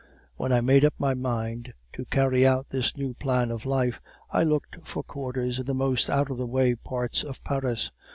When I made up my mind to carry out this new plan of life, I looked for quarters in the most out of the way parts of Paris.